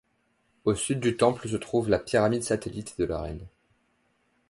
Au sud du temple se trouve la pyramide satellite de la reine.